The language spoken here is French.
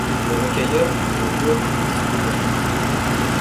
Les rocailleurs, de nos jours, existent toujours.